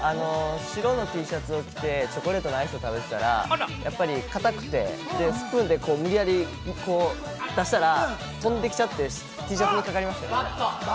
白のＴシャツを着てチョコレートのアイス食べてたら、固くてスプーンで無理やりこうやって出したら飛んできちゃって、Ｔシャツにかかりました。